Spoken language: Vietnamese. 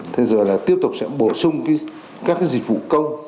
thế giờ là tiếp tục sẽ bổ sung các dịch vụ công